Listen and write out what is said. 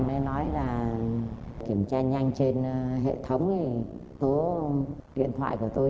mới nói là kiểm tra nhanh trên hệ thống thì số điện thoại của tôi